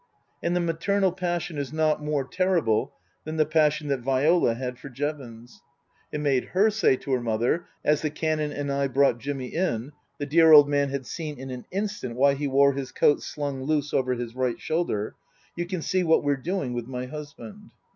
And the maternal passion is not more terrible than the passion that Viola had for Jevons. It made her say to her mother as the Canon and I brought Jimmy in (the dear old man had seen in an instant why he wore his coat slung loose over his right shoulder), " You can see what we're doing with my husband."